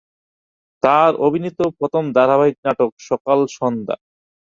তার অভিনীত প্রথম ধারাবাহিক নাটক "সকাল সন্ধ্যা"।